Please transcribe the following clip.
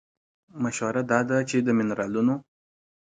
مشوره دا ده چې د مېنرالونو